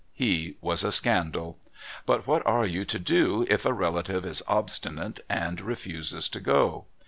He was a scandal, but what are you to do if a relative is obstinate and refuses to go?